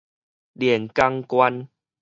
連江縣